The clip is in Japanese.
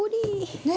ねえ！